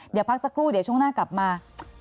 เดี๋ยวพักสักครู่เดี๋ยวช่วงหน้ากลับมา